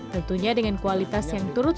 tentunya dengan kualitas yang turut